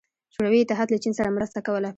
شوروي اتحاد له چین سره مرسته کوله.